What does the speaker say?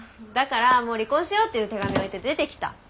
だから「もう離婚しよう」っていう手紙置いて出てきた。